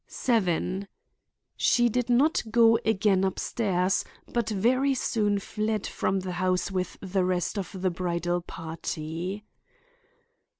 7. She did not go again upstairs, but very soon fled from the house with the rest of the bridal party.